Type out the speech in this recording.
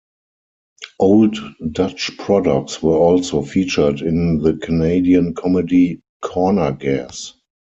Old Dutch products were also featured in the Canadian comedy "Corner Gas".